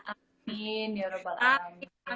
amin ya rabbal alamin